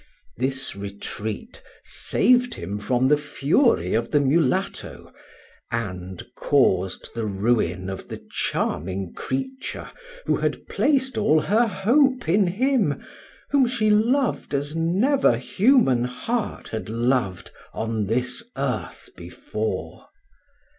This retreat saved him from the fury of the mulatto and caused the ruin of the charming creature who had placed all her hope in him whom she loved as never human heart had loved on this earth before.